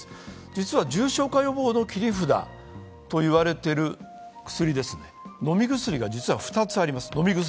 実は、重症化予防の切り札と言われている飲み薬が実は２つあります。